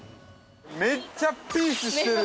◆めっちゃピースしてる。